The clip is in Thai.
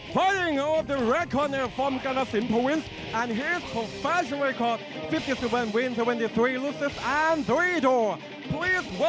คนนี้มาจากอำเภิกษาภัทรศัพท์กรรณ์จังหวัดกาลสินทร์นะครับ